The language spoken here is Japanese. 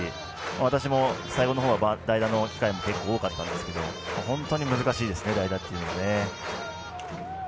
私も最後のほうは代打の機会も結構多かったんですけど本当に難しいですね代打というのは。